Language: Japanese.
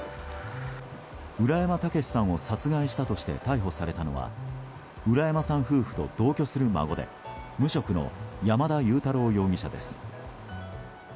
浦山毅さんを殺害したとして逮捕されたのは浦山さん夫婦と同居する孫で無職の山田悠太郎容疑者です。